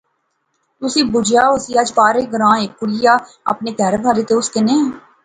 تسیں بجیا ہوسی اج پارے گراں ہیک کڑیا اپنا کہھر والا تے اس کنے